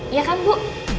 iya kan bu